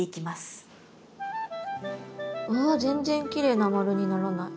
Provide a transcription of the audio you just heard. うわ全然きれいな丸にならない。